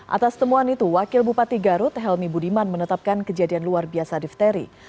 atas temuan itu wakil bupati garut helmi budiman menetapkan kejadian luar biasa difteri